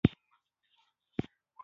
هېواد ته فرهنګي ازادي پکار ده